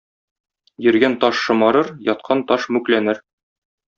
Йөргән таш шомарыр, яткан таш мүкләнер.